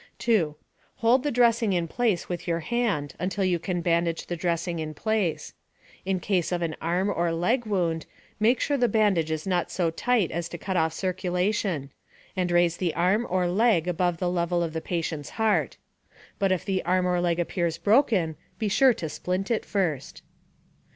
2. Hold the dressing in place with your hand until you can bandage the dressing in place. In case of an arm or leg wound, make sure the bandage is not so tight as to cut off circulation; and raise the arm or leg above the level of the patient's heart. (But if the arm or leg appears broken, be sure to splint it first.)